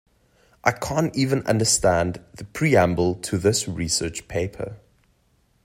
I can’t even understand the preamble to this research paper.